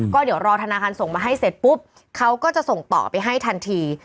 ก็เดี๋ยวรอธนาคารส่งมาให้เสร็จปุ๊บเขาก็จะส่งต่อไปให้ทันที